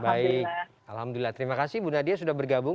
baik alhamdulillah terima kasih bu nadia sudah bergabung